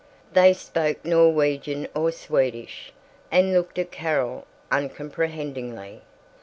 They spoke Norwegian or Swedish, and looked at Carol uncomprehendingly.